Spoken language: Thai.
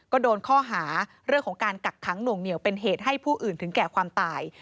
ก็โดนข้อหาเรื่องของการกักขังหน่วงเหนียวเป็นเหตุให้ผู้อื่นถึงแก่ความตาย